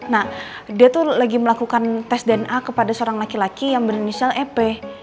nah dia tuh lagi melakukan tes dna kepada seorang laki laki yang berinisial ep